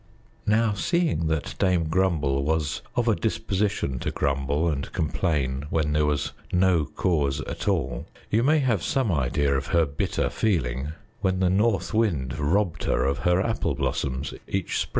Now seeing that Dame Grumble was of a disposition to grumble and complain when there was no cause at all, you may have some idea of her bitter feeling when the North Wind robbed her of her apple blossoms each spring.